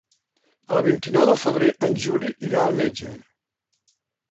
El vint-i-nou de febrer en Juli irà al metge.